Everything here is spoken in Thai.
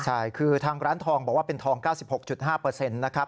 ใช่คือทางร้านทองบอกว่าเป็นทอง๙๖๕นะครับ